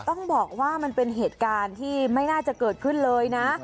ต้องบอกว่ามันเป็นเหตุการณ์ที่ไม่น่าจะเกิดขึ้นเลยนะ